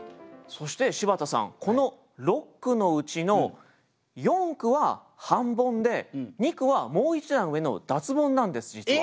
そして柴田さんこの六句のうちの四句は半ボンで二句はもう一段上の脱ボンなんです実は。